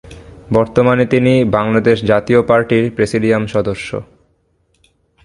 বর্তমানে তিনি বাংলাদেশ জাতীয় পার্টির প্রেসিডিয়াম সদস্য।